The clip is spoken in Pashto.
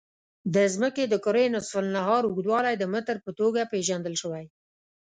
د ځمکې د کرې نصف النهار اوږدوالی د متر په توګه پېژندل شوی.